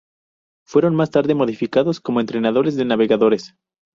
Fueron más tarde modificados como entrenadores de navegadores.